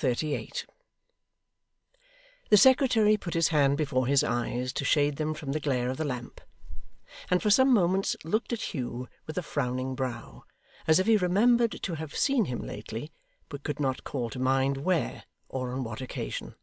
Chapter 38 The secretary put his hand before his eyes to shade them from the glare of the lamp, and for some moments looked at Hugh with a frowning brow, as if he remembered to have seen him lately, but could not call to mind where, or on what occasion.